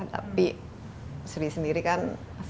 tapi sri sendiri kan